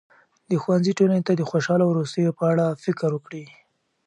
د ښوونځي ټولنې ته د خوشاله وروستیو په اړه فکر وکړي.